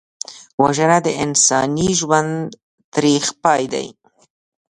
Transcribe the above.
وژنه د انساني ژوند تریخ پای دی